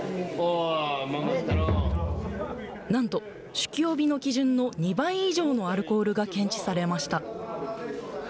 なんと酒気帯びの基準の２倍以上のアルコールが検知されました。